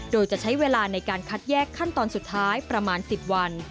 โดยจะใช้เวลาในการคัดแยกขั้นตอนสุดท้ายประมาณ๑๐วัน